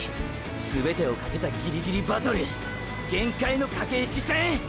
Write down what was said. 全てをかけたギリギリバトル限界のかけ引き戦。